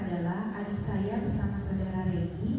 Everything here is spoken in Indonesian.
itu saudara dari staff dari